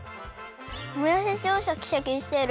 もやしちょうシャキシャキしてる！